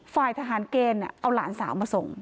ฝ่ายทหารเกณฑ์เอาหลานสาวมาส่ง